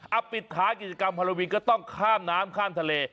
เอาปิดท้ายกิจกรรมฮาโลวีนก็ต้องข้ามน้ำข้ามทะเล